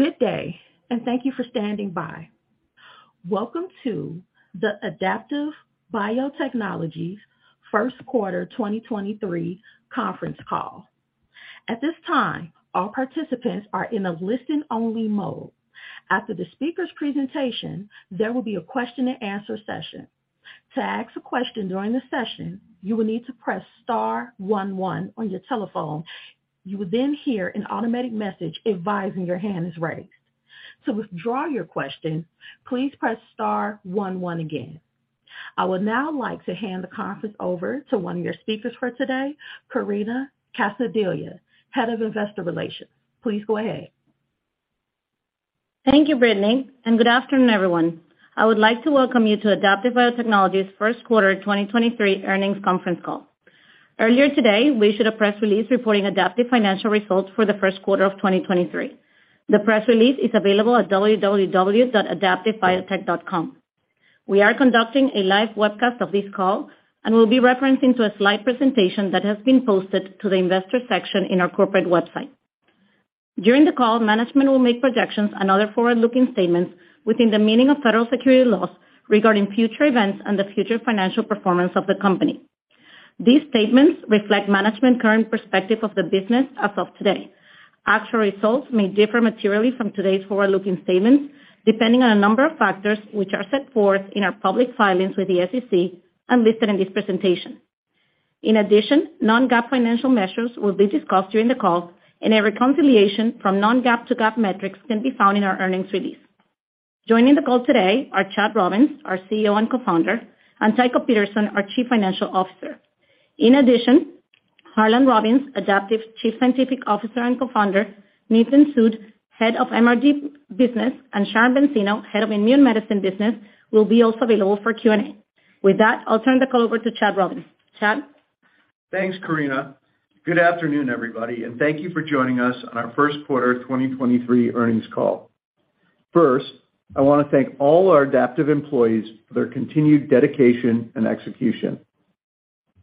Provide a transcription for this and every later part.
Good day, and thank you for standing by. Welcome to the Adaptive Biotechnologies first quarter 2023 conference call. At this time, all participants are in a listen-only mode. After the speaker's presentation, there will be a question and answer session. To ask a question during the session, you will need to press star one one on your telephone. You will then hear an automatic message advising your hand is raised. To withdraw your question, please press star one one again. I would now like to hand the conference over to one of your speakers for today, Karina Calzadilla, Head of Investor Relations. Please go ahead. Thank you, Brittany. Good afternoon, everyone. I would like to welcome you to Adaptive Biotechnologies first quarter 2023 earnings conference call. Earlier today, we issued a press release reporting Adaptive financial results for the first quarter of 2023. The press release is available at www.adaptivebiotech.com. We are conducting a live webcast of this call and will be referencing to a slide presentation that has been posted to the investor section in our corporate website. During the call, management will make projections and other forward-looking statements within the meaning of federal securities laws regarding future events and the future financial performance of the company. These statements reflect management current perspective of the business as of today. Actual results may differ materially from today's forward-looking statements, depending on a number of factors which are set forth in our public filings with the SEC and listed in this presentation. Non-GAAP financial measures will be discussed during the call, and every reconciliation from non-GAAP to GAAP metrics can be found in our earnings release. Joining the call today are Chad Robins, our CEO and Co-founder, and Tycho Peterson, our Chief Financial Officer. Harlan Robins, Adaptive Chief Scientific Officer and Co-founder, Nitin Sood, Head of MRD Business, and Sharon Benzeno, Head of Immune Medicine Business, will be also available for Q&A. I'll turn the call over to Chad Robins. Chad? Thanks, Karina. Good afternoon, everybody. Thank you for joining us on our first quarter 2023 earnings call. First, I want to thank all our Adaptive employees for their continued dedication and execution.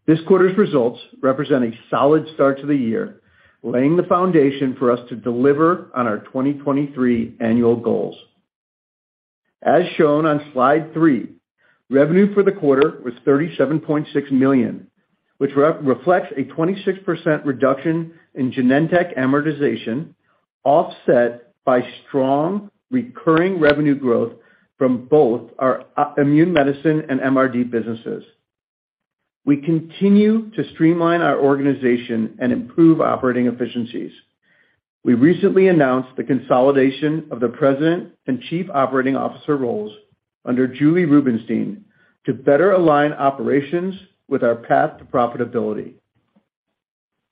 This quarter's results represent a solid start to the year, laying the foundation for us to deliver on our 2023 annual goals. As shown on slide three, revenue for the quarter was $37.6 million, which re-reflects a 26% reduction in Genentech amortization, offset by strong recurring revenue growth from both our immune medicine and MRD businesses. We continue to streamline our organization and improve operating efficiencies. We recently announced the consolidation of the President and Chief Operating Officer roles under Julie Rubinstein to better align operations with our path to profitability.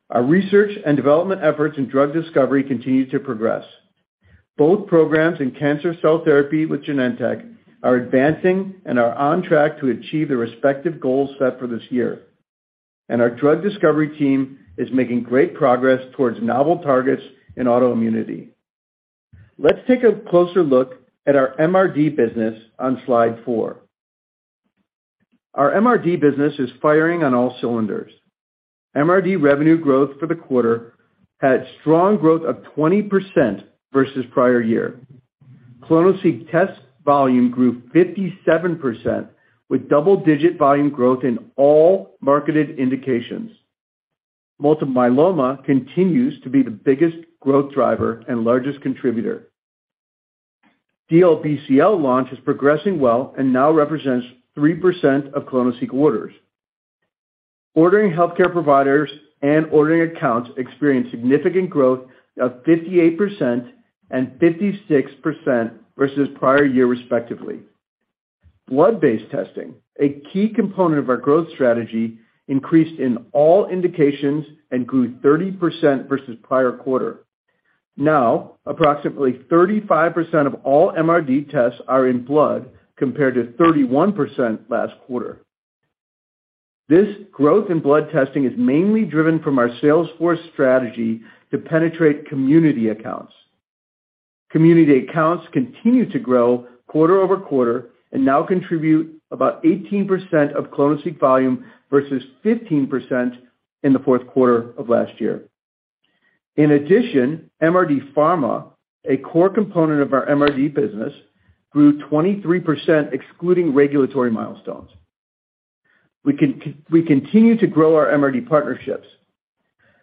Our research and development efforts in drug discovery continue to progress. Both programs in cancer cell therapy with Genentech are advancing and are on track to achieve the respective goals set for this year. Our drug discovery team is making great progress towards novel targets in autoimmunity. Let's take a closer look at our MRD business on slide four. Our MRD business is firing on all cylinders. MRD revenue growth for the quarter had strong growth of 20% versus prior year. ClonoSEQ test volume grew 57% with double-digit volume growth in all marketed indications. Multiple myeloma continues to be the biggest growth driver and largest contributor. DLBCL launch is progressing well and now represents 3% of ClonoSEQ orders. Ordering healthcare providers and ordering accounts experienced significant growth of 58% and 56% versus prior year respectively. Blood-based testing, a key component of our growth strategy, increased in all indications and grew 30% versus prior quarter. Approximately 35% of all MRD tests are in blood, compared to 31% last quarter. This growth in blood testing is mainly driven from our sales force strategy to penetrate community accounts. Community accounts continue to grow quarter-over-quarter and now contribute about 18% of clonoSEQ volume versus 15% in the fourth quarter of last year. In addition, MRD Pharma, a core component of our MRD business, grew 23% excluding regulatory milestones. We continue to grow our MRD partnerships.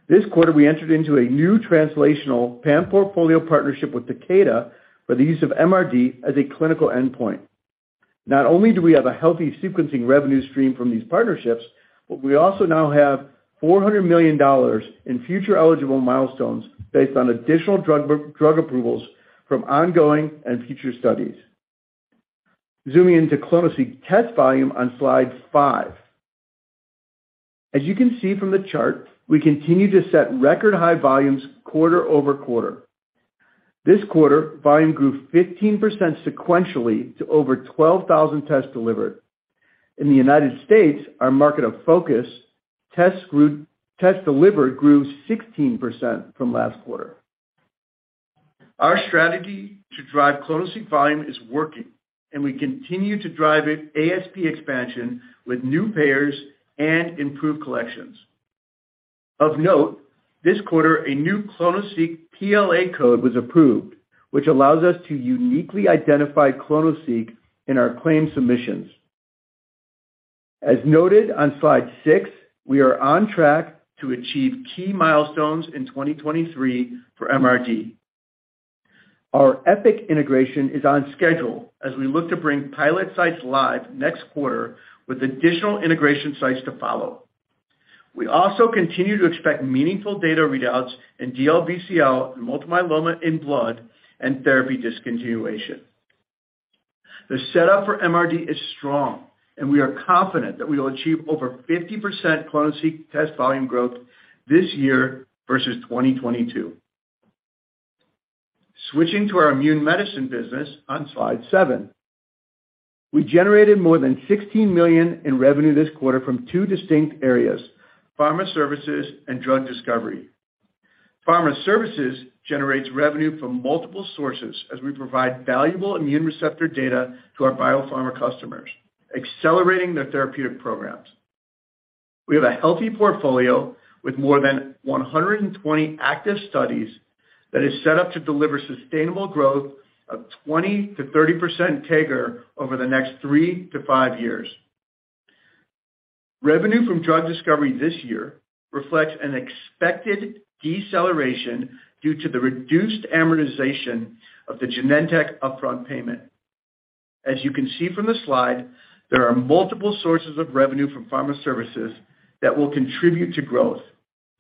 This quarter, we entered into a new translational pan-portfolio partnership with Takeda for the use of MRD as a clinical endpoint. Not only do we have a healthy sequencing revenue stream from these partnerships, but we also now have $400 million in future eligible milestones based on additional drug approvals from ongoing and future studies. Zooming into clonoSEQ test volume on slide five. As you can see from the chart, we continue to set record high volumes quarter-over-quarter. This quarter, volume grew 15% sequentially to over 12,000 tests delivered. In the United States, our market of focus, Test delivered grew 16% from last quarter. Our strategy to drive clonoSEQ volume is working, and we continue to drive it ASP expansion with new payers and improved collections. Of note, this quarter, a new clonoSEQ PLA code was approved, which allows us to uniquely identify clonoSEQ in our claim submissions. As noted on slide six, we are on track to achieve key milestones in 2023 for MRD. Our Epic integration is on schedule as we look to bring pilot sites live next quarter with additional integration sites to follow. We also continue to expect meaningful data readouts in DLBCL and multiple myeloma in blood and therapy discontinuation. The setup for MRD is strong, and we are confident that we will achieve over 50% clonoSEQ test volume growth this year versus 2022. Switching to our immune medicine business on slide seven. We generated more than $16 million in revenue this quarter from two distinct areas, pharma services and drug discovery. Pharma services generates revenue from multiple sources as we provide valuable immune receptor data to our biopharma customers, accelerating their therapeutic programs. We have a healthy portfolio with more than 120 active studies that is set up to deliver sustainable growth of 20%-30% CAGR over the next three to five years. Revenue from drug discovery this year reflects an expected deceleration due to the reduced amortization of the Genentech upfront payment. As you can see from the slide, there are multiple sources of revenue from pharma services that will contribute to growth.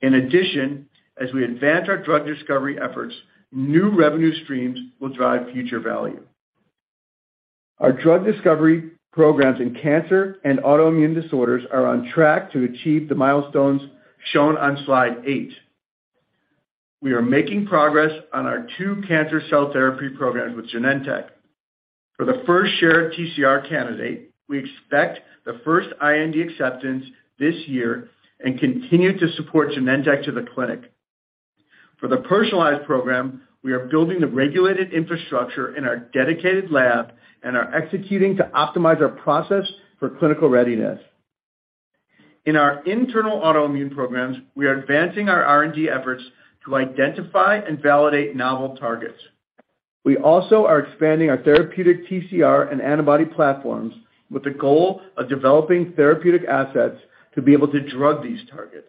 In addition, as we advance our drug discovery efforts, new revenue streams will drive future value. Our drug discovery programs in cancer and autoimmune disorders are on track to achieve the milestones shown on slide eight. We are making progress on our two cancer cell therapy programs with Genentech. For the first shared TCR candidate, we expect the first IND acceptance this year and continue to support Genentech to the clinic. For the personalized program, we are building the regulated infrastructure in our dedicated lab and are executing to optimize our process for clinical readiness. In our internal autoimmune programs, we are advancing our R&D efforts to identify and validate novel targets. We also are expanding our therapeutic TCR and antibody platforms with the goal of developing therapeutic assets to be able to drug these targets.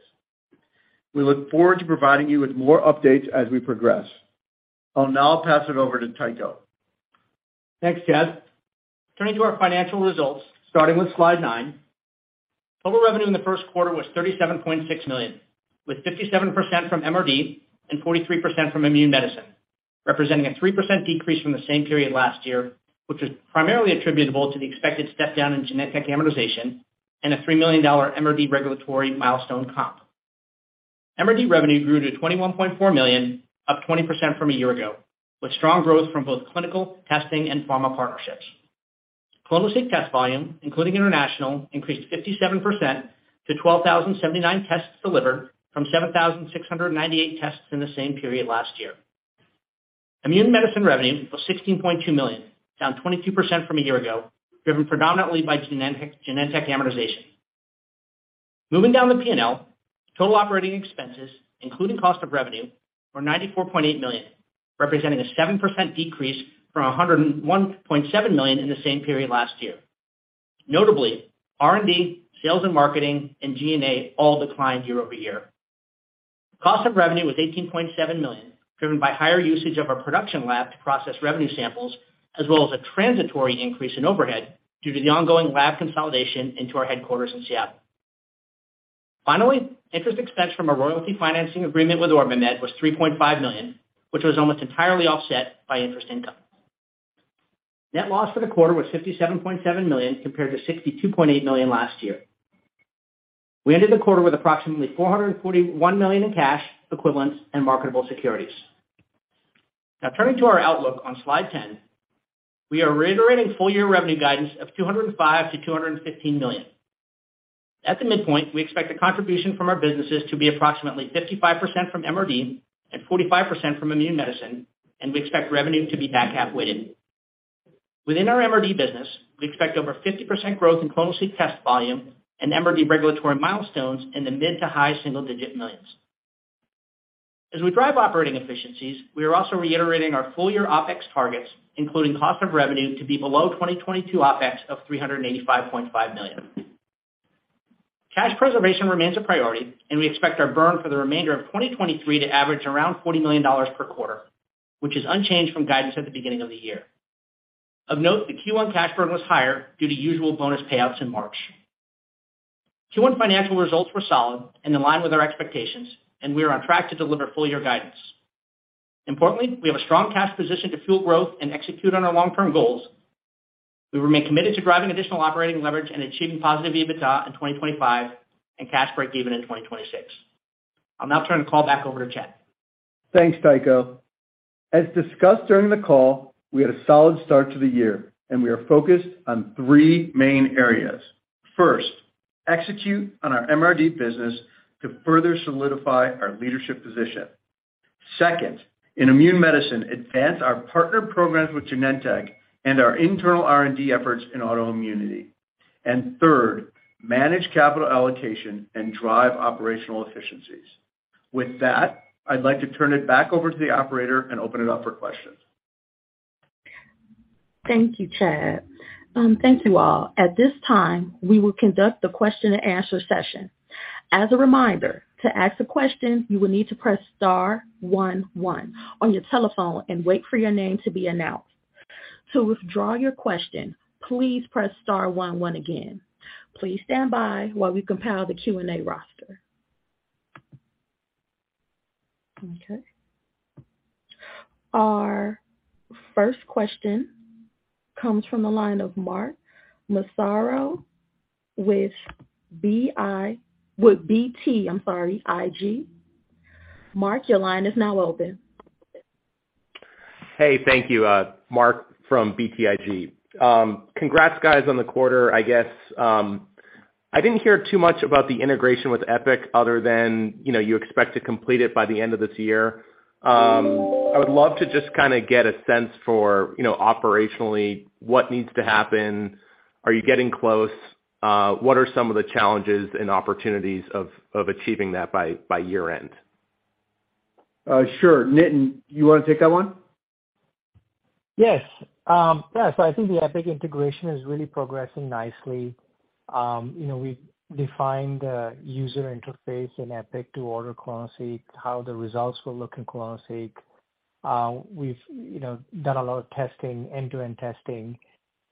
We look forward to providing you with more updates as we progress. I'll now pass it over to Tycho. Thanks, Chad. Turning to our financial results, starting with slide nine. Total revenue in the first quarter was $37.6 million, with 57% from MRD and 43% from immune medicine, representing a 3% decrease from the same period last year, which was primarily attributable to the expected step down in Genentech amortization and a $3 million MRD regulatory milestone comp. MRD revenue grew to $21.4 million, up 20% from a year ago, with strong growth from both clinical testing and pharma partnerships. clonoSEQ test volume, including international, increased 57% to 12,079 tests delivered from 7,698 tests in the same period last year. Immune medicine revenue was $16.2 million, down 22% from a year ago, driven predominantly by Genentech amortization. Moving down the P&L, total operating expenses, including cost of revenue, were $94.8 million, representing a 7% decrease from $101.7 million in the same period last year. Notably, R&D, sales and marketing, and G&A all declined year-over-year. Cost of revenue was $18.7 million, driven by higher usage of our production lab to process revenue samples, as well as a transitory increase in overhead due to the ongoing lab consolidation into our headquarters in Seattle. Finally, interest expense from a royalty financing agreement with OrbiMed was $3.5 million, which was almost entirely offset by interest income. Net loss for the quarter was $57.7 million compared to $62.8 million last year. We ended the quarter with approximately $441 million in cash, equivalents, and marketable securities. Turning to our outlook on slide 10. We are reiterating full year revenue guidance of $205 million-$215 million. At the midpoint, we expect the contribution from our businesses to be approximately 55% from MRD and 45% from immune medicine. We expect revenue to be back half weighted. Within our MRD business, we expect over 50% growth in clonoSEQ test volume and MRD regulatory milestones in the mid to high single-digit millions. As we drive operating efficiencies, we are also reiterating our full year OpEx targets, including cost of revenue to be below 2022 OpEx of $385.5 million. Cash preservation remains a priority. We expect our burn for the remainder of 2023 to average around $40 million per quarter, which is unchanged from guidance at the beginning of the year. Of note, the Q1 cash burn was higher due to usual bonus payouts in March. Q1 financial results were solid and in line with our expectations. We are on track to deliver full year guidance. Importantly, we have a strong cash position to fuel growth and execute on our long-term goals. We remain committed to driving additional operating leverage and achieving positive EBITDA in 2025 and cash breakeven in 2026. I'll now turn the call back over to Chad. Thanks, Tycho. As discussed during the call, we had a solid start to the year, and we are focused on three main areas. First, execute on our MRD business to further solidify our leadership position. Second, in immune medicine, advance our partner programs with Genentech and our internal R&D efforts in autoimmunity. Third, manage capital allocation and drive operational efficiencies. With that, I'd like to turn it back over to the operator and open it up for questions. Thank you, Chad. Thank you all. At this time, we will conduct the question and answer session. As a reminder, to ask a question, you will need to press star one one on your telephone and wait for your name to be announced. To withdraw your question, please press star one one again. Please stand by while we compile the Q&A roster. Okay. Our first question comes from the line of Mark Massaro with BTIG. Mark, your line is now open. Hey, thank you. Mark Massaro from BTIG. Congrats guys on the quarter. I guess, I didn't hear too much about the integration with Epic other than, you know, you expect to complete it by the end of this year. I would love to just kinda get a sense for, you know, operationally what needs to happen. Are you getting close? What are some of the challenges and opportunities of achieving that by year end? Sure. Nitin, you wanna take that one? I think the Epic integration is really progressing nicely. You know, we've defined the user interface in Epic to order clonoSEQ, how the results will look in clonoSEQ. We've, you know, done a lot of testing, end-to-end testing,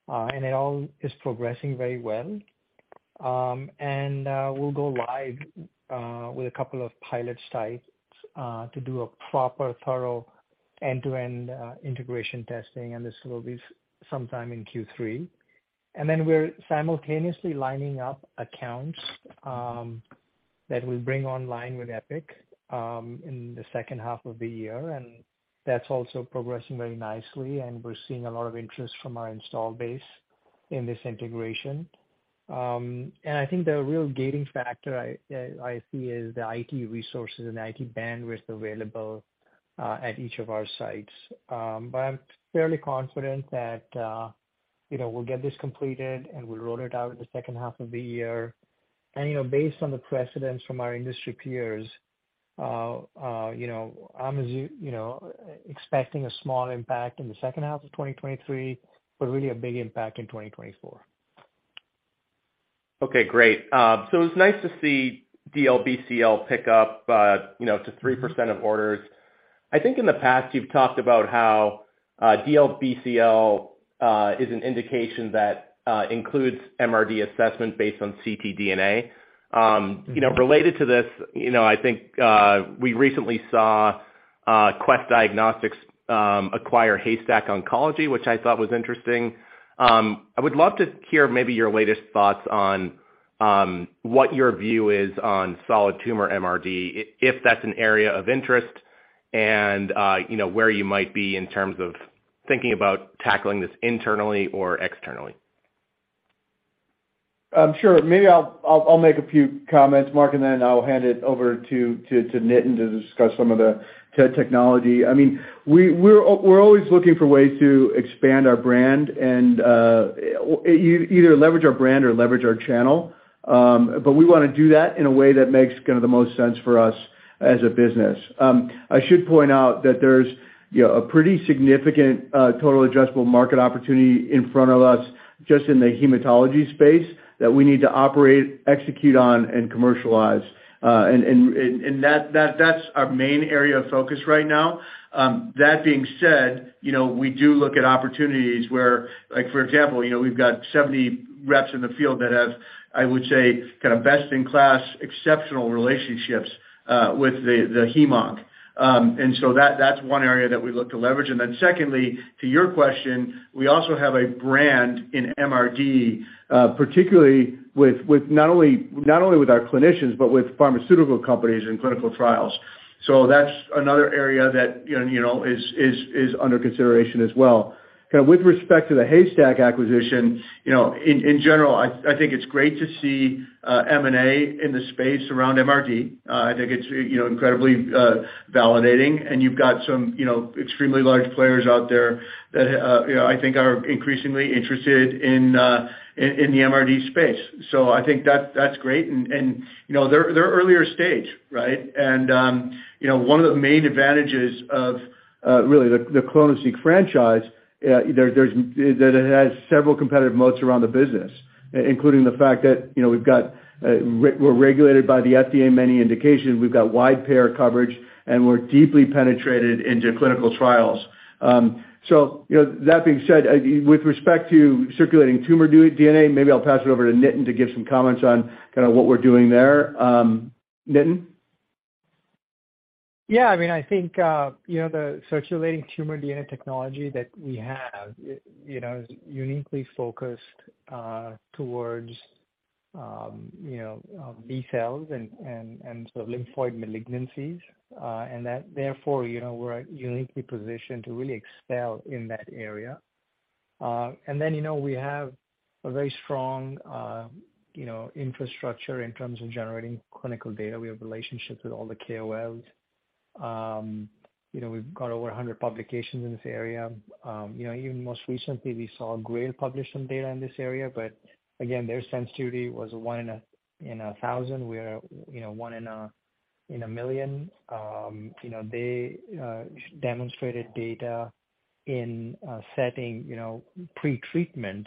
and it all is progressing very well. We'll go live with a couple of pilot sites to do a proper thorough end-to-end integration testing, and this will be sometime in Q3. We're simultaneously lining up accounts that we bring online with Epic in the second half of the year, and that's also progressing very nicely, and we're seeing a lot of interest from our install base in this integration. I think the real gating factor I see is the IT resources and IT bandwidth available at each of our sites. I'm fairly confident that, you know, we'll get this completed, and we'll roll it out in the second half of the year. You know, based on the precedents from our industry peers, you know, I'm you know, expecting a small impact in the second half of 2023, but really a big impact in 2024. Okay, great. It's nice to see DLBCL pick up, you know, to 3% of orders. I think in the past you've talked about how DLBCL is an indication that includes MRD assessment based on ctDNA. You know, related to this, you know, I think we recently saw Quest Diagnostics acquire Haystack Oncology, which I thought was interesting. I would love to hear maybe your latest thoughts on what your view is on solid tumor MRD, if that's an area of interest and, you know, where you might be in terms of thinking about tackling this internally or externally. Sure. Maybe I'll make a few comments, Mark, and then I'll hand it over to Nitin to discuss some of the technology. I mean, we're always looking for ways to expand our brand and either leverage our brand or leverage our channel. We wanna do that in a way that makes kinda the most sense for us as a business. I should point out that there's, you know, a pretty significant total adjustable market opportunity in front of us just in the hematology space that we need to operate, execute on, and commercialize. That's our main area of focus right now. That being said, you know, we do look at opportunities where... Like, for example, you know, we've got 70 reps in the field that have, I would say, kind of best in class, exceptional relationships with the hemonc. That's one area that we look to leverage. Secondly, to your question, we also have a brand in MRD, particularly with not only with our clinicians, but with pharmaceutical companies and clinical trials. That's another area that, you know, is under consideration as well. Kinda with respect to the Haystack acquisition, you know, in general, I think it's great to see M&A in the space around MRD. I think it's, you know, incredibly validating and you've got some, you know, extremely large players out there that, you know, I think are increasingly interested in the MRD space. I think that's great. You know, they're earlier stage, right? You know, one of the main advantages of really the clonoSEQ franchise, there's is that it has several competitive modes around the business, including the fact that, you know, we've got we're regulated by the FDA in many indications. We've got wide payer coverage, and we're deeply penetrated into clinical trials. You know, that being said, with respect to circulating tumor DNA, maybe I'll pass it over to Nitin to give some comments on kinda what we're doing there. Nitin? Yeah. I mean, I think, you know, the circulating tumor DNA technology that we have, you know, is uniquely focused towards, you know, B cells and so lymphoid malignancies, that therefore, you know, we're uniquely positioned to really excel in that area. You know, we have a very strong, you know, infrastructure in terms of generating clinical data. We have relationships with all the KOLs. You know, we've got over 100 publications in this area. You know, even most recently, we saw GRAIL publish some data in this area, again, their sensitivity was obe in a thousand. We are, you know, one in a million. You know, they demonstrated data in a setting, you know, pretreatment,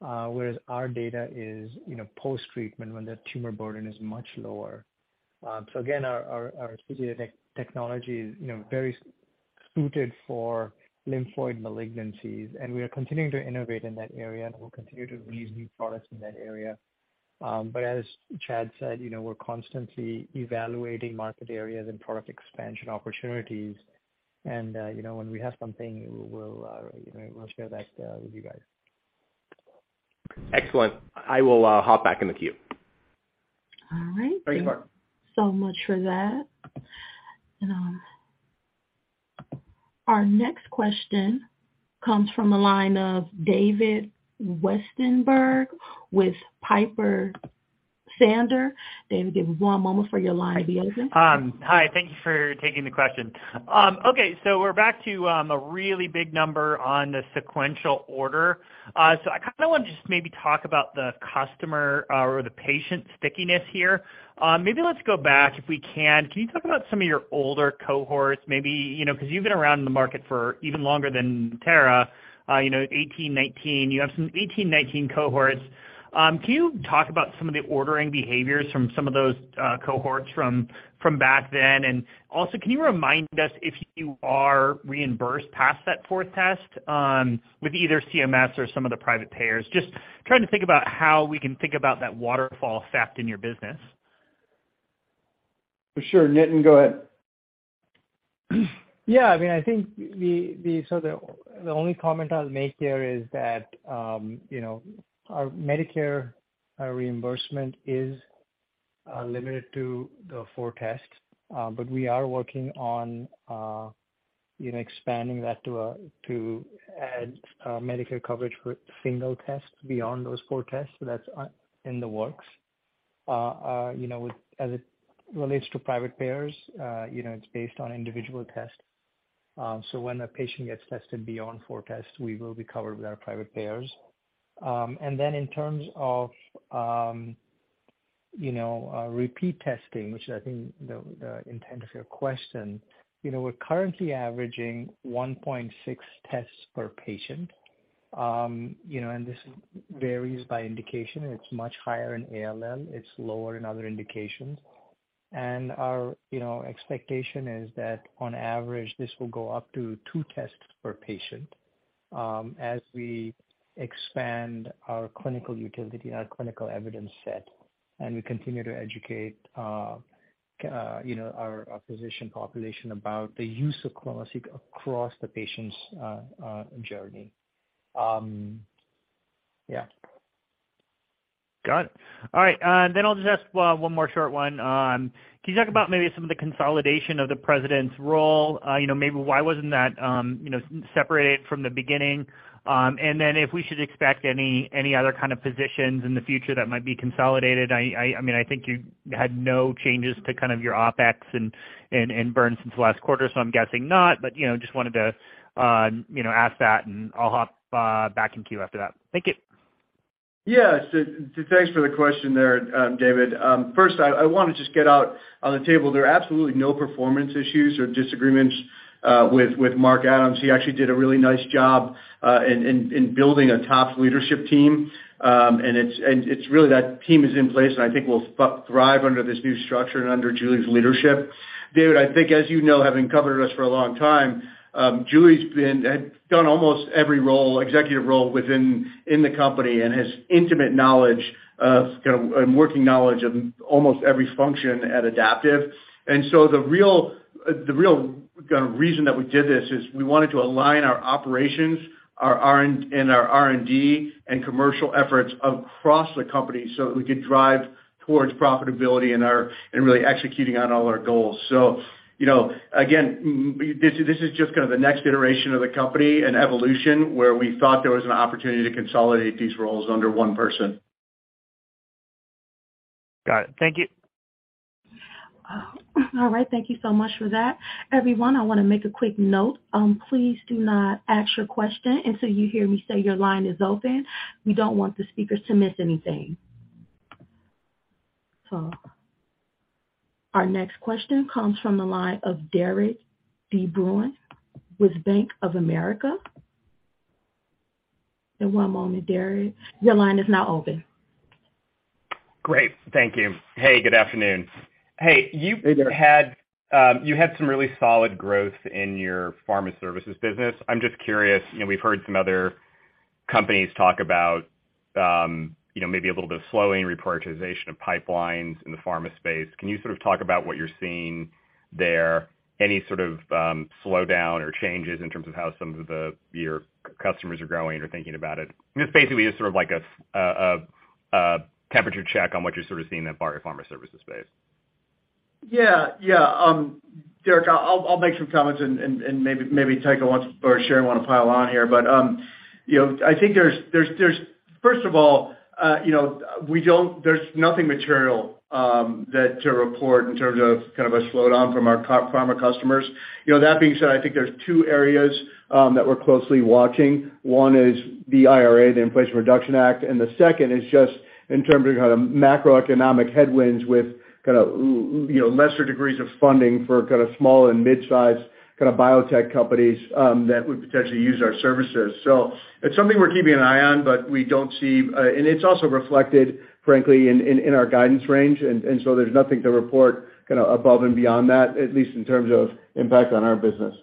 whereas our data is, you know, post-treatment when the tumor burden is much lower. Again, our CDx tech-technology is, you know, very suited for lymphoid malignancies, and we are continuing to innovate in that area, and we'll continue to release new products in that area. As Chad said, you know, we're constantly evaluating market areas and product expansion opportunities and, you know, when we have something, we'll, you know, we'll share that with you guys. Excellent. I will hop back in the queue. All right. Thank you, Mark. Much for that. Our next question comes from the line of David Westenberg with Piper Sandler. David, give one moment for your line to be open. Hi, thank you for taking the question. Okay, we're back to a really big number on the sequential order. I kinda wanna just maybe talk about the customer or the patient stickiness here. Maybe let's go back if we can. Can you talk about some of your older cohorts, maybe, you know, 'cause you've been around in the market for even longer than Terra, you know, 18, 19. You have some 18, 19 cohorts. Can you talk about some of the ordering behaviors from some of those cohorts from back then? Can you remind us if you are reimbursed past that fourth test with either CMS or some of the private payers? Just trying to think about how we can think about that waterfall effect in your business. For sure. Nitin, go ahead. I mean, I think the only comment I'll make there is that, you know, our Medicare reimbursement is limited to the four tests. We are working on, you know, expanding that to add Medicare coverage for single tests beyond those four tests. That's in the works. You know, as it relates to private payers, you know, it's based on individual tests. When a patient gets tested beyond four tests, we will be covered with our private payers. In terms of, you know, repeat testing, which I think the intent of your question, you know, we're currently averaging one point six tests per patient. You know, this varies by indication. It's much higher in ALL, it's lower in other indications. Our, you know, expectation is that on average, this will go up to two tests per patient, as we expand our clinical utility, our clinical evidence set, and we continue to educate, you know, our physician population about the use of clonoSEQ across the patient's journey. Got it. All right, then I'll just ask one more short one. Can you talk about maybe some of the consolidation of the president's role? You know, maybe why wasn't that, you know, separated from the beginning? If we should expect any other kind of positions in the future that might be consolidated. I mean, I think you had no changes to kind of your OpEx and burn since last quarter, so I'm guessing not. You know, just wanted to, you know, ask that, and I'll hop back in queue after that. Thank you. Yeah. Thanks for the question there, David. First I wanna just get out on the table. There are absolutely no performance issues or disagreements with Mark Adams. He actually did a really nice job in building a top leadership team. It's really that team is in place, and I think we'll thrive under this new structure and under Julie's leadership. David, I think as you know, having covered us for a long time, Julie had done almost every role, executive role within the company and has intimate knowledge and working knowledge of almost every function at Adaptive. The real, the real kinda reason that we did this is we wanted to align our operations, our R&D and commercial efforts across the company so that we could drive towards profitability and in really executing on all our goals. You know, again, this is just kind of the next iteration of the company and evolution, where we thought there was an opportunity to consolidate these roles under one person. Got it. Thank you. All right. Thank you so much for that. Everyone, I wanna make a quick note. Please do not ask your question until you hear me say your line is open. We don't want the speakers to miss anything. Our next question comes from the line of Derik de Bruin with Bank of America. One moment, Derik. Your line is now open. Great. Thank you. Hey, good afternoon. Hey. Hey, Derik. -had, you had some really solid growth in your pharma services business. I'm just curious, you know, we've heard some other companies talk about, you know, maybe a little bit of slowing reportization of pipelines in the pharma space. Can you sort of talk about what you're seeing there? Any sort of slowdown or changes in terms of how some of your customers are growing or thinking about it? Just basically just sort of like a temperature check on what you're sort of seeing in the pharma services space. Derik, I'll make some comments and maybe Tycho wants or Sharon wanna pile on here. You know, I think there's first of all, you know, we don't there's nothing material to report in terms of kind of a slowdown from our pharma customers. You know, that being said, I think there's two areas that we're closely watching. One is the IRA, the Inflation Reduction Act, and the second is just in terms of kinda macroeconomic headwinds with kinda, you know, lesser degrees of funding for kinda small and mid-sized kinda biotech companies that would potentially use our services. It's something we're keeping an eye on, but we don't see... and it's also reflected frankly in our guidance range. There's nothing to report kinda above and beyond that, at least in terms of impact on our business.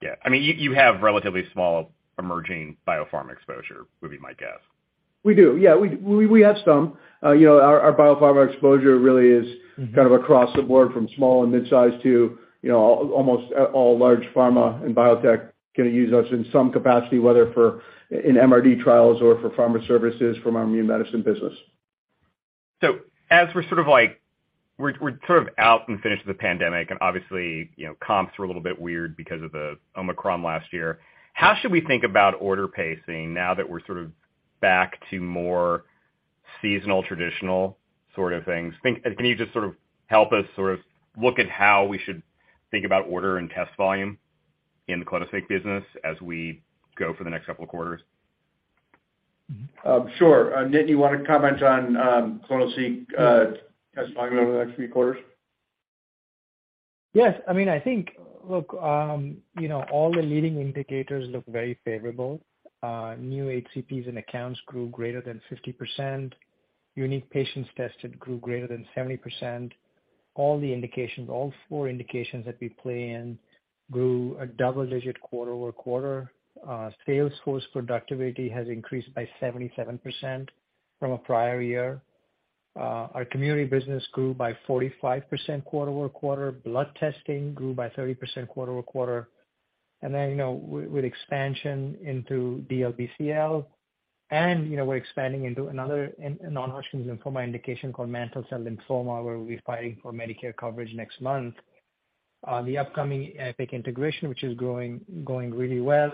Yeah. I mean, you have relatively small emerging biopharm exposure, would be my guess. We do. Yeah. We have some. you know, our biopharma exposure really Mm-hmm. Kind of across the board from small and midsize to, you know, almost all large pharma and biotech kinda use us in some capacity, whether for, in MRD trials or for pharma services from our immune medicine business. As we're sort of like we're sort of out and finished with the pandemic, and obviously, you know, comps were a little bit weird because of the Omicron last year. How should we think about order pacing now that we're sort of back to more seasonal, traditional sort of things? Can you just sort of help us sort of look at how we should think about order and test volume in the clonoSEQ business as we go for the next couple of quarters? Mm-hmm. sure. Nitin, you wanna comment on clonoSEQ test volume over the next few quarters? Yes. I mean, I think, look, you know, all the leading indicators look very favorable. New HCPs and accounts grew greater than 50%. Unique patients tested grew greater than 70%. All the indications, all four indications that we play in grew a double digit quarter-over-quarter. Sales force productivity has increased by 77% from a prior year. Our community business grew by 45% quarter-over-quarter. Blood testing grew by 30% quarter-over-quarter. You know, with expansion into DLBCL, and, you know, we're expanding into another non-Hodgkin's lymphoma indication called mantle cell lymphoma, where we'll be fighting for Medicare coverage next month. The upcoming Epic integration, which is going really well.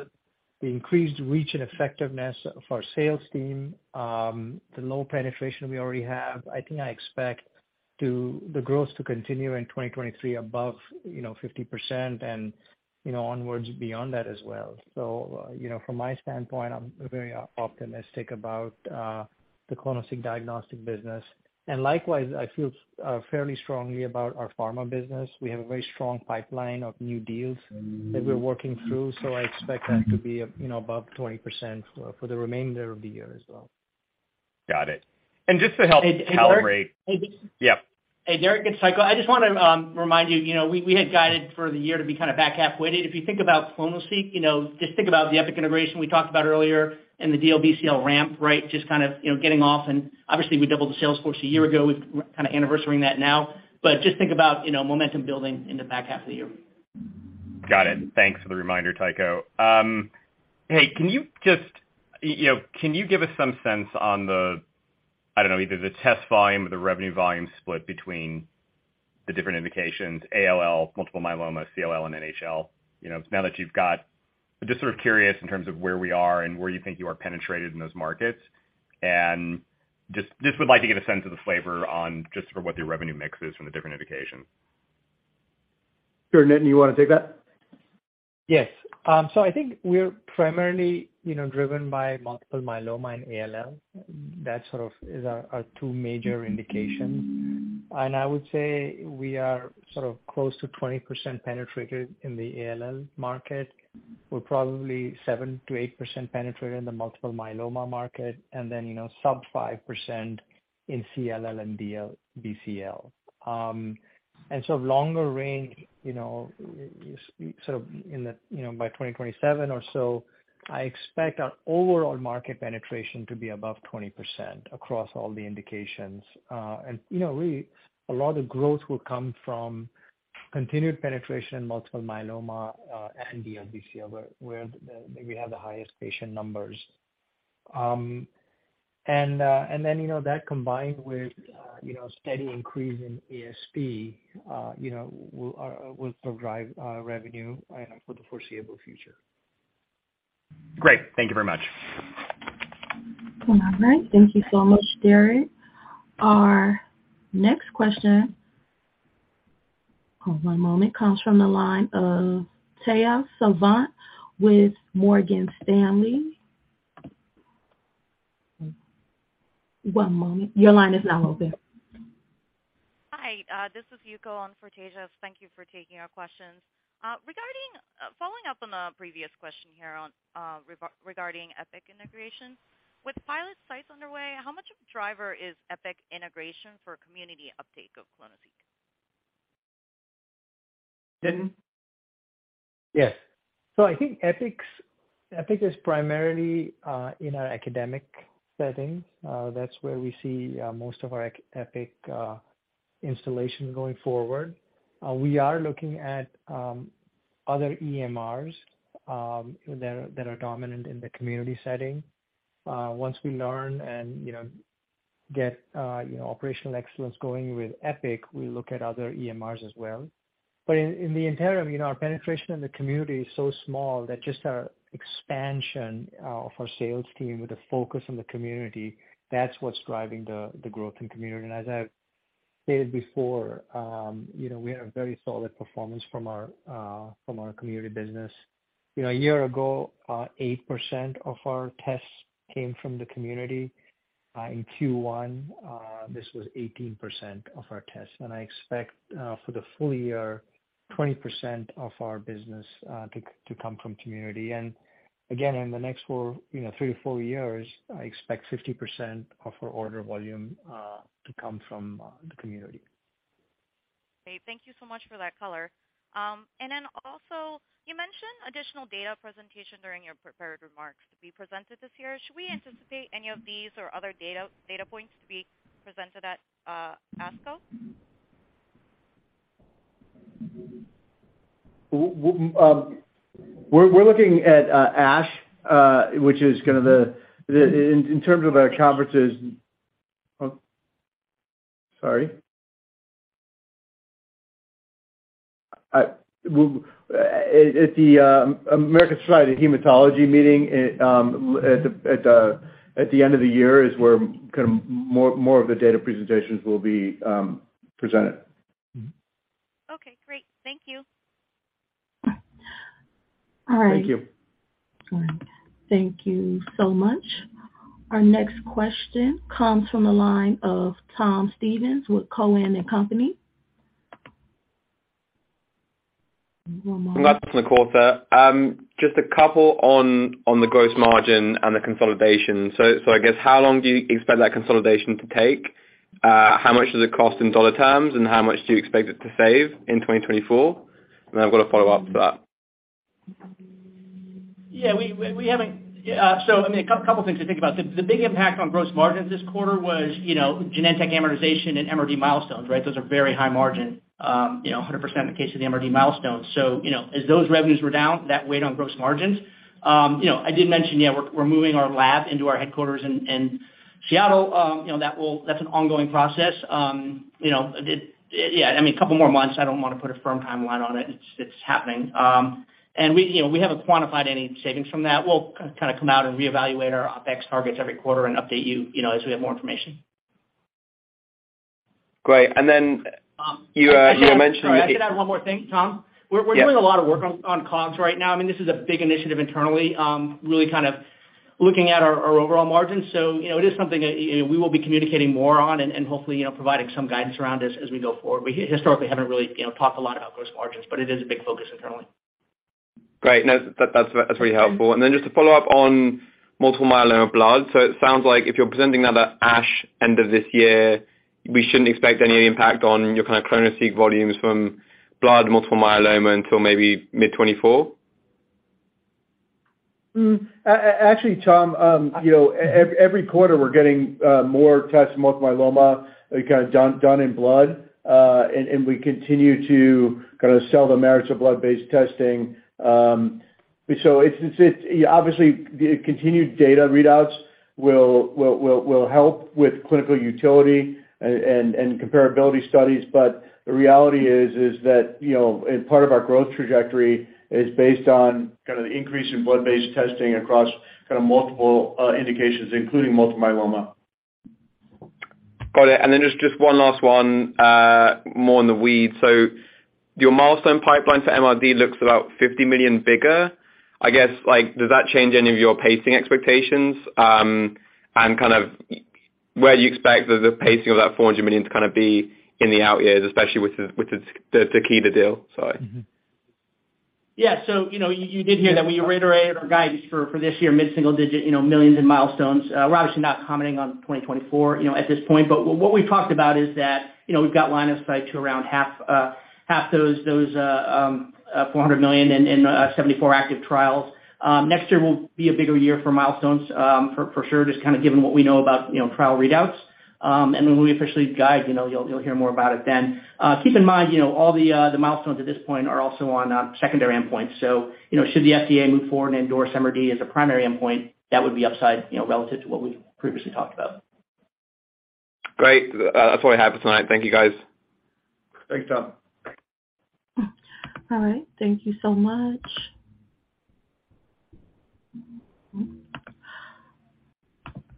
The increased reach and effectiveness of our sales team, the low penetration we already have, I think I expect the growth to continue in 2023 above, you know, 50% and, you know, onwards beyond that as well. From my standpoint, I'm very optimistic about the clonoSEQ diagnostic business. Likewise, I feel fairly strongly about our pharma business. We have a very strong pipeline of new deals that we're working through, so I expect that to be, you know, above 20% for the remainder of the year as well. Got it. Just to help calibrate- And, and Derek- Yeah. Hey, Derik, it's Tycho. I just wanna remind you know, we had guided for the year to be kinda back half weighted. If you think about clonoSEQ, you know, just think about the Epic integration we talked about earlier and the DLBCL ramp, right? Just kind of, you know, getting off and obviously we doubled the sales force a year ago. We're kinda anniversarying that now. Just think about, you know, momentum building in the back half of the year. Got it. Thanks for the reminder, Tycho. Hey, can you just you know, can you give us some sense on the, I don't know, either the test volume or the revenue volume split between the different indications, ALL, multiple myeloma, CLL, and NHL? You know, now that you've got... I'm just sort of curious in terms of where we are and where you think you are penetrated in those markets. Just would like to get a sense of the flavor on just for what your revenue mix is from the different indications. Sure. Nitin, you wanna take that? Yes. I think we're primarily, you know, driven by multiple myeloma and ALL. That sort of is our two major indications. I would say we are sort of close to 20% penetrated in the ALL market. We're probably 7%-8% penetrated in the multiple myeloma market, and then, you know, sub 5% in CLL and DLBCL. Longer range, you know, sort of in the, you know, by 2027 or so, I expect our overall market penetration to be above 20% across all the indications. You know, a lot of growth will come from continued penetration in multiple myeloma, and DLBCL, where we have the highest patient numbers. You know, that combined with, you know, steady increase in ASP, you know, will still drive revenue for the foreseeable future. Great. Thank you very much. All right. Thank you so much, Derik. Our next question, hold one moment, comes from the line of Tejas Savant with Morgan Stanley. One moment. Your line is now open. Hi. This is Yuko on for Tejas. Thank you for taking our questions. Following up on a previous question here on regarding Epic Integration. With pilot sites underway, how much of a driver is Epic Integration for community uptake of clonoSEQ? Nitin? Yes. I think Epic is primarily in our academic settings. That's where we see most of our Epic installation going forward. We are looking at other EMRs that are dominant in the community setting. Once we learn and, you know, get, you know, operational excellence going with Epic, we look at other EMRs as well. In the interim, you know, our penetration in the community is so small that just our expansion of our sales team with the focus on the community, that's what's driving the growth in community. As I've stated before, you know, we had a very solid performance from our from our community business. You know, a year ago, 8% of our tests came from the community. In Q1, this was 18% of our tests, I expect for the full year, 20% of our business to come from community. Again, in the next, you know, three to four years, I expect 50% of our order volume to come from the community. Great. Thank you so much for that color. Also you mentioned additional data presentation during your prepared remarks to be presented this year. Should we anticipate any of these or other data points to be presented at ASCO? We're looking at ASH, which is kind of the. In terms of our conferences. Sorry. At the American Society of Hematology meeting at the end of the year is where kind of more of the data presentations will be presented. Mm-hmm. Okay, great. Thank you. All right. Thank you. All right. Thank you so much. Our next question comes from the line of Tom Stevens with Cowen and Company. One moment. Congrats on the quarter. Just a couple on the gross margin and the consolidation. I guess how long do you expect that consolidation to take? How much does it cost in dollar terms, and how much do you expect it to save in 2024? I've got a follow-up to that. Yeah, we haven't. I mean, a couple things to think about. The big impact on gross margins this quarter was, you know, Genentech amortization and MRD milestones, right? Those are very high margin, you know, 100% in the case of the MRD milestones. You know, as those revenues were down, that weighed on gross margins. You know, I did mention, we're moving our lab into our headquarters in Seattle. You know, That's an ongoing process. You know, I mean, a couple more months. I don't wanna put a firm timeline on it. It's happening. We, you know, we haven't quantified any savings from that. We'll kind of come out and reevaluate our OpEx targets every quarter and update you know, as we have more information. Great. Sorry, can I add one more thing, Tom? Yeah. We're doing a lot of work on costs right now. I mean, this is a big initiative internally, really kind of looking at our overall margins. you know, it is something that, you know, we will be communicating more on and hopefully, you know, providing some guidance around as we go forward. We historically haven't really, you know, talked a lot about gross margins, but it is a big focus internally. Great. No, that's very helpful. Then just to follow up on multiple myeloma blood. It sounds like if you're presenting that at ASH end of this year, we shouldn't expect any impact on your kind of clonoSEQ volumes from blood multiple myeloma until maybe mid 2024? Actually, Tom, you know, every quarter we're getting more tests, multiple myeloma kind of done in blood. We continue to kinda sell the merits of blood-based testing. It's. Obviously, the continued data readouts will help with clinical utility and comparability studies, but the reality is that, you know, and part of our growth trajectory is based on kind of the increase in blood-based testing across kind of multiple indications, including multiple myeloma. Got it. Then just one last one, more in the weeds. Your milestone pipeline for MRD looks about $50 million bigger. I guess, like, does that change any of your pacing expectations? Kind of where do you expect the pacing of that $400 million to kind of be in the out years, especially with the Takeda deal? Sorry. ow, you did hear that we reiterated our guidance for this year, mid-single digit, you know, millions in milestones. We're obviously not commenting on 2024, you know, at this point, but what we talked about is that, you know, we've got line of sight to around half those, $400 million in 74 active trials. Next year will be a bigger year for milestones, for sure, just given what we know about, you know, trial readouts. And when we officially guide, you know, you'll hear more about it then. Keep in mind, you know, all the milestones at this point are also on secondary endpoints. You know, should the FDA move forward and endorse MRD as a primary endpoint, that would be upside, you know, relative to what we've previously talked about. Great. That's all I have for tonight. Thank you, guys. Thanks, Tom. All right. Thank you so much.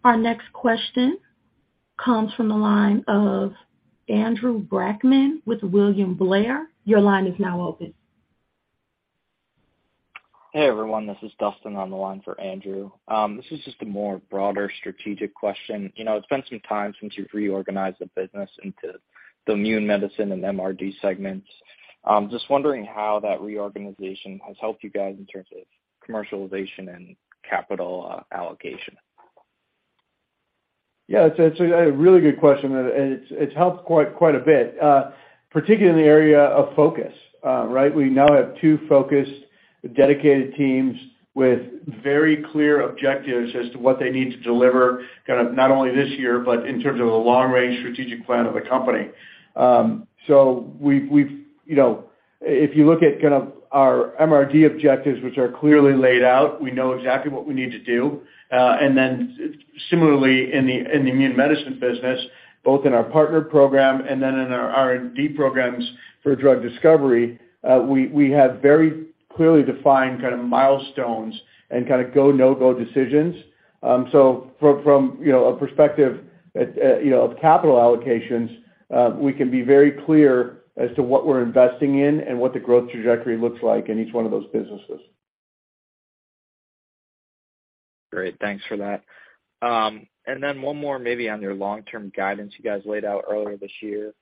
Our next question comes from the line of Andrew Brackmann with William Blair. Your line is now open. Hey, everyone, this is Dustin on the line for Andrew. This is just a more broader strategic question. You know, it's been some time since you've reorganized the business into the Immune Medicine and MRD segments. Just wondering how that reorganization has helped you guys in terms of commercialization and capital allocation. Yeah, it's a really good question. It's helped quite a bit, particularly in the area of focus, right? We now have two focused, dedicated teams with very clear objectives as to what they need to deliver, kind of, not only this year, but in terms of the long-range strategic plan of the company. We've, you know. If you look at kind of our MRD objectives, which are clearly laid out, we know exactly what we need to do. Similarly in the immune medicine business, both in our partner program and in our R&D programs for drug discovery, we have very clearly defined kind of milestones and kind of go, no go decisions. So from, you know, a perspective, you know, of capital allocations, we can be very clear as to what we're investing in and what the growth trajectory looks like in each one of those businesses. Great. Thanks for that. One more maybe on your long-term guidance you guys laid out earlier this year.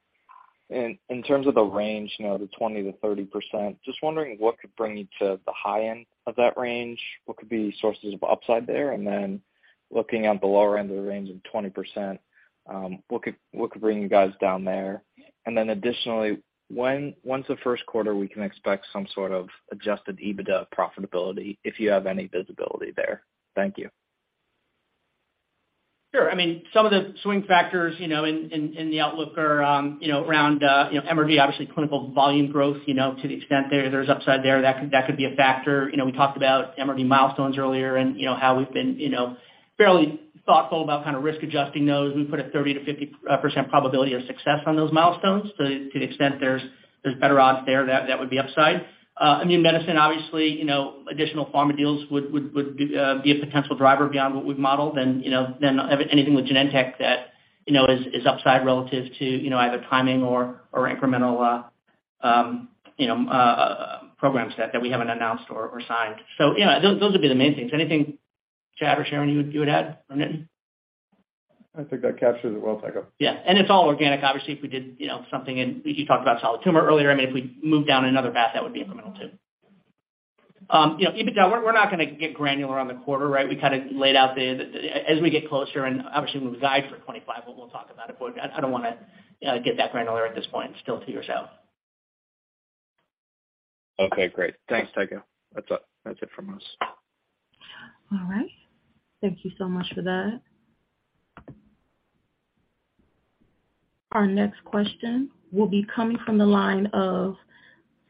In terms of the range, you know, the 20%-30%, just wondering what could bring you to the high end of that range? What could be sources of upside there? Looking at the lower end of the range of 20%, what could bring you guys down there? Additionally, once the first quarter, we can expect some sort of adjusted EBITDA profitability, if you have any visibility there. Thank you. Sure. I mean, some of the swing factors, you know, in the outlook are, you know, around, you know, MRD, obviously clinical volume growth, you know, to the extent there's upside there that could be a factor. You know, we talked about MRD milestones earlier and you know how we've been, you know, fairly thoughtful about kind of risk adjusting those. We put a 30%-50% probability of success on those milestones to the extent there's better odds there that would be upside. Immune medicine obviously, you know, additional pharma deals would be a potential driver beyond what we've modeled. You know, then anything with Genentech that, you know, is upside relative to, you know, either timing or incremental, you know, programs that we haven't announced or signed. You know, those would be the main things. Anything, Chad or Sharon, you would add or Nitin? I think that captures it well, Tycho. Yeah. It's all organic. Obviously, if we did, you know, something you talked about solid tumor earlier, I mean, if we moved down another path, that would be incremental too. You know, EBITDA, we're not gonna get granular on the quarter, right? We kind of laid out the. As we get closer and obviously we've guided for 2025, but we'll talk about it more. I don't wanna get that granular at this point still to yourself. Okay, great. Thanks, Tycho. That's it from us. All right. Thank you so much for that. Our next question will be coming from the line of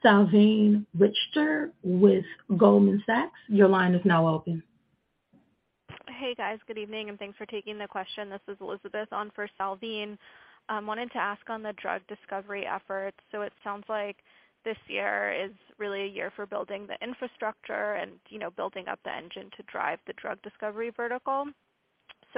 Salveen Richter with Goldman Sachs. Your line is now open. Hey, guys. Good evening, and thanks for taking the question. This is Elizabeth on for Salveen Richter. Wanted to ask on the drug discovery efforts. It sounds like this year is really a year for building the infrastructure and, you know, building up the engine to drive the drug discovery vertical.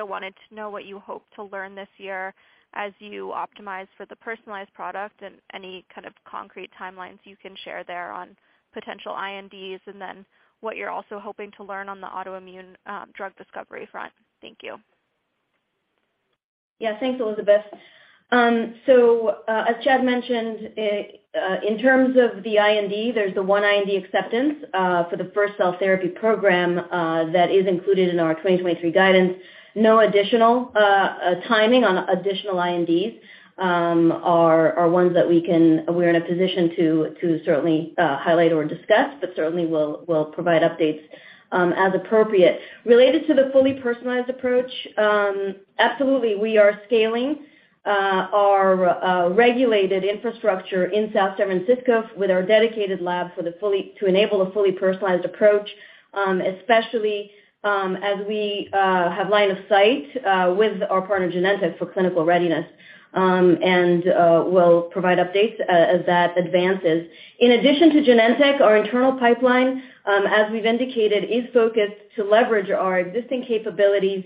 Wanted to know what you hope to learn this year as you optimize for the personalized product and any kind of concrete timelines you can share there on potential INDs, and then what you're also hoping to learn on the autoimmune drug discovery front. Thank you. Thanks, Elizabeth. As Chad mentioned, in terms of the IND, there's the one IND acceptance for the first cell therapy program that is included in our 2023 guidance. No additional timing on additional INDs are ones that we're in a position to certainly highlight or discuss, but certainly we'll provide updates as appropriate. Related to the fully personalized approach, absolutely, we are scaling our regulated infrastructure in South San Francisco with our dedicated lab to enable a fully personalized approach, especially as we have line of sight with our partner Genentech for clinical readiness, and we'll provide updates as that advances. In addition to Genentech, our internal pipeline, as we've indicated, is focused to leverage our existing capabilities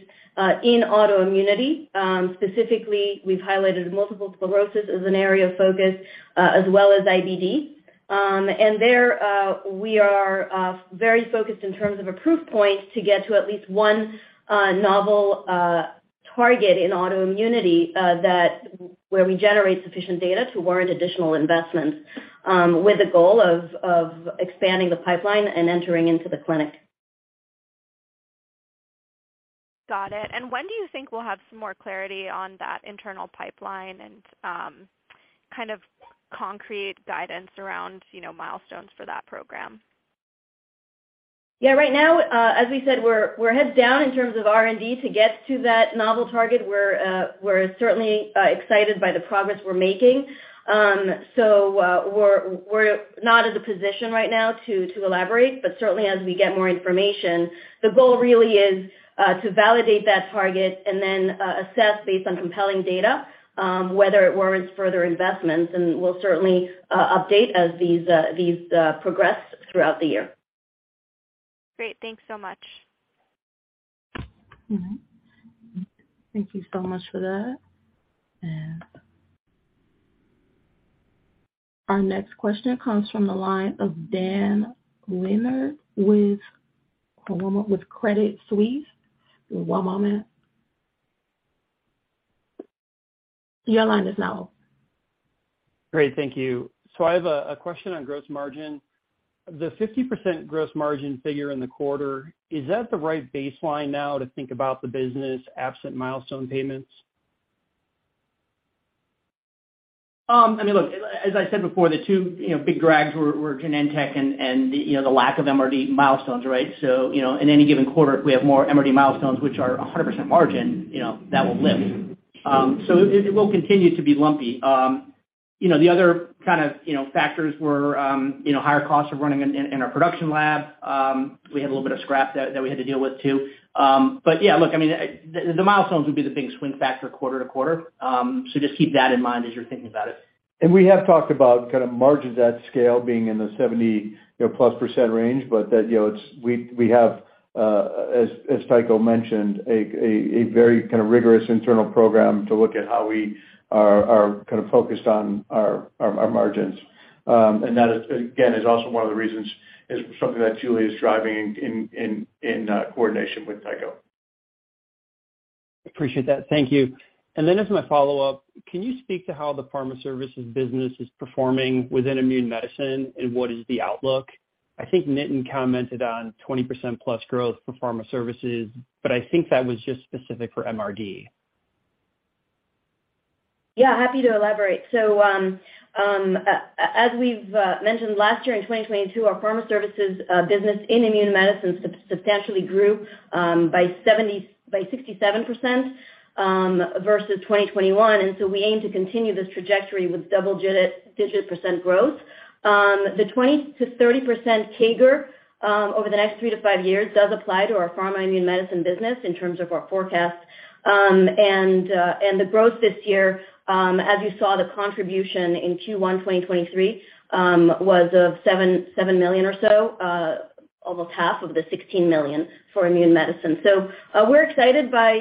in autoimmunity. Specifically, we've highlighted multiple sclerosis as an area of focus, as well as IBD. There, we are very focused in terms of a proof point to get to at least one novel target in autoimmunity, that where we generate sufficient data to warrant additional investments, with the goal of expanding the pipeline and entering into the clinic. Got it. When do you think we'll have some more clarity on that internal pipeline and, kind of concrete guidance around, you know, milestones for that program? Yeah. Right now, as we said, we're heads down in terms of R&D to get to that novel target. We're certainly excited by the progress we're making. We're not in a position right now to elaborate, but certainly as we get more information, the goal really is to validate that target and then assess based on compelling data, whether it warrants further investments. We'll certainly update as these progress throughout the year. Great. Thanks so much. All right. Thank you so much for that. Our next question comes from the line of Dan Leonard with, hold on, with Credit Suisse. One moment. Your line is now open. Great. Thank you. I have a question on gross margin. The 50% gross margin figure in the quarter, is that the right baseline now to think about the business absent milestone payments? I mean, look, as I said before, the two, you know, big drags were Genentech and, you know, the lack of MRD milestones, right? In any given quarter, if we have more MRD milestones, which are a 100% margin, you know, that will lift. It will continue to be lumpy. You know, the other kind of, you know, factors were, you know, higher costs of running in our production lab. We had a little bit of scrap that we had to deal with too. Yeah, look, I mean, the milestones would be the big swing factor quarter to quarter. Just keep that in mind as you're thinking about it. We have talked about kind of margins at scale being in the 70, you know, plus % range, that, you know, we have, as Tycho mentioned, a very kind of rigorous internal program to look at how we are kind of focused on our margins. That is, again, also one of the reasons is something that Julie is driving in coordination with Tycho. Appreciate that. Thank you. As my follow-up, can you speak to how the pharma services business is performing within immune medicine and what is the outlook? I think Nitin commented on 20% plus growth for pharma services, but I think that was just specific for MRD. Yeah, happy to elaborate. As we've mentioned last year in 2022, our pharma services business in Immune Medicine substantially grew by 67% versus 2021. We aim to continue this trajectory with double-digit % growth. The 20%-30% CAGR over the next three to five years does apply to our pharma Immune Medicine business in terms of our forecast. The growth this year, as you saw, the contribution in Q1 2023 was of $7 million, almost half of the $16 million for Immune Medicine. We're excited by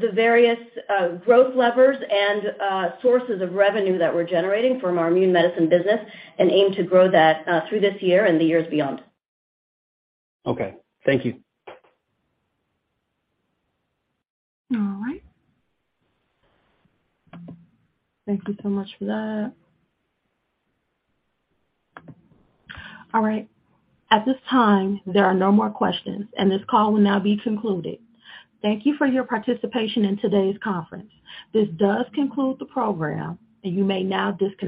the various growth levers and sources of revenue that we're generating from our Immune Medicine business and aim to grow that through this year and the years beyond. Okay. Thank you. All right. Thank you so much for that. All right. At this time, there are no more questions, and this call will now be concluded. Thank you for your participation in today's conference. This does conclude the program, and you may now disconnect.